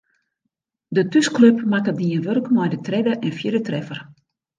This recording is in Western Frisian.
De thúsklup makke dien wurk mei de tredde en fjirde treffer.